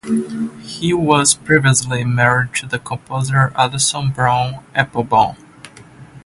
He was previously married to the composer Allyson Brown Applebaum.